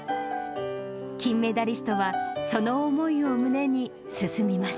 金メダリストは、その思いを胸に進みます。